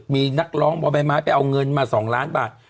มีนักร้องบ่อใบไม้ไปเอาเงินมา๒ล้านบาท